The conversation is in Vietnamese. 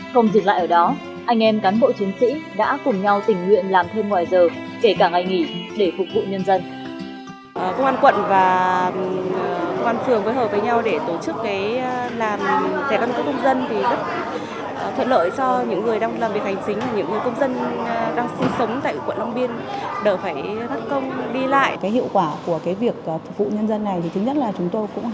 không dừng lại ở đó anh em cán bộ chiến sĩ đã cùng nhau tình nguyện làm thêm ngoài giờ kể cả ngày nghỉ để phục vụ nhân dân